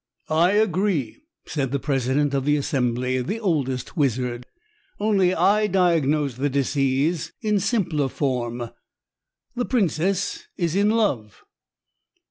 "I agree," said the president of the assembly, the oldest wizard, "only I diagnose the disease in simpler form. The princess is in love."